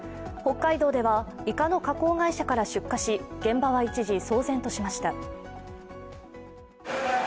北海道では、いかの加工会社から出火し、現場は一時騒然としました。